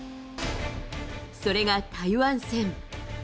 それが台湾戦。